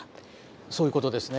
そういうことですね。